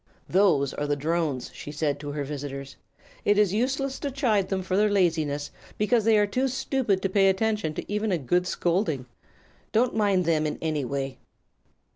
"Those are the drones," she said to her visitors. "It is useless to chide them for their laziness, because they are too stupid to pay attention to even a good scolding. Don't mind them in any way."